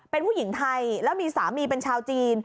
เป็นผู้หญิงไทยแล้วมีสามีเป็นชาวจีน